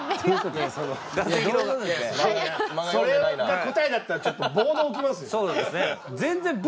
それが答えだったらちょっと暴動起きますよ。